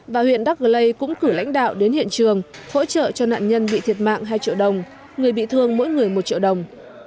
và huyện đắc lây cũng cử lãnh đạo đến hiện trường hỗ trợ cho nạn nhân bị thiệt mạng hai triệu đồng người bị thương mỗi người một triệu đồng